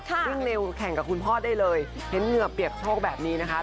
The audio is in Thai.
วิ่งเร็วแข่งกับคุณพ่อได้เลยเห็นเหงื่อเปียกโชคแบบนี้นะคะ